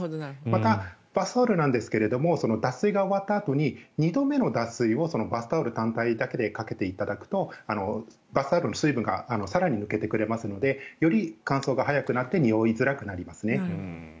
また、バスタオルなんですが脱水が終わったあとに２度目の脱水をバスタオル単体だけでかけていただくとバスタオルの水分が更に抜けてくれますのでより乾燥が早くなってにおいづらくなりますね。